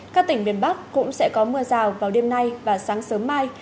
các tỉnh miền bắc cũng sẽ có mưa rào vào đêm nay và sáng sớm mai